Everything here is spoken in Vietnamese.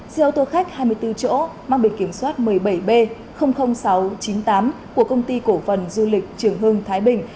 xe ô tô khách hai mươi bốn chỗ mang biệt kiểm soát một mươi bảy b sáu trăm chín mươi tám của công ty cổ phần du lịch trường hưng thái bình